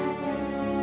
ayah yang memaksamu